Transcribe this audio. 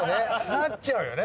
なっちゃうよね。